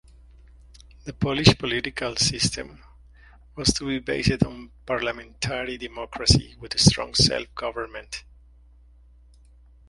The Polish political system was to be based on parliamentary democracy, with strong self-government.